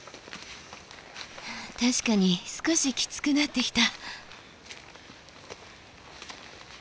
確かに少しきつくなってきた。